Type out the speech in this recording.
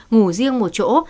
ngủ riêng một chỗ